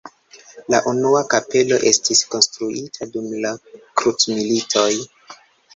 La unua kapelo estis konstruita dum la krucmilitoj.